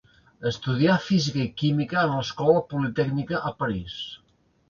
Estudià física i química en l'Escola politècnica a París.